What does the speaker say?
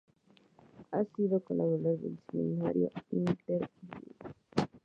Ha sido colaborador del semanario "Interviú".